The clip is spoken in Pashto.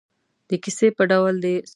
د کیسې په ډول دې څو کرښې ولیکي.